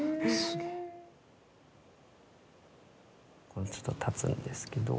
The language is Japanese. これちょっと立つんですけど。